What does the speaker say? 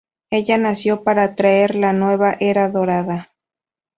Ella nació para traer la "Nueva Era Dorada".